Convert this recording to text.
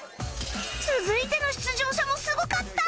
続いての出場者もすごかった！